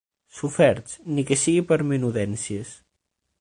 Soferts, ni que sigui per menudències.